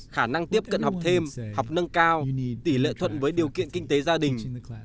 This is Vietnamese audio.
khả năng tiếp cận học thêm học nâng cao tỷ lệ thuận với điều kiện kinh tế gia đình